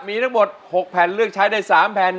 มีทั้งหมด๖แผ่นเลือกใช้ได้๓แผ่น